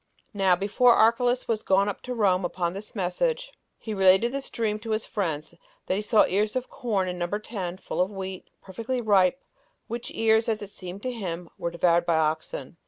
3. Now, before Archelaus was gone up to Rome upon this message, he related this dream to his friends: That he saw ears of corn, in number ten, full of wheat, perfectly ripe, which ears, as it seemed to him, were devoured by oxen.